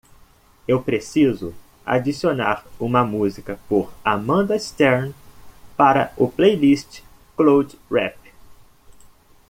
Eu preciso adicionar uma música por Amanda Stern para o playlist cloud rap.